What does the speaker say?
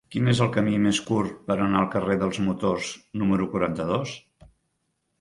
Quin és el camí més curt per anar al carrer dels Motors número quaranta-dos?